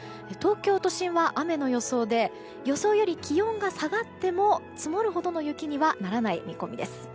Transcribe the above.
東京都心は雨の予想で予想より気温が下がっても積もるほどの雪にはならない見込みです。